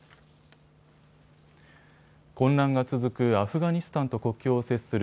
混乱が続くアフガニスタンと国境を接する